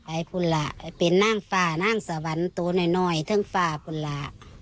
ไอ้พูดล่ะเป็นน่างฝ่าน่างสวรรค์ตัวหน่อยทั้งฝ่าพูดล่ะ